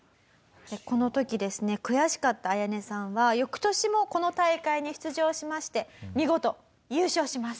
この時ですね悔しかったアヤネさんは翌年もこの大会に出場しまして見事優勝します。